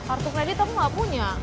kartu kredit kamu nggak punya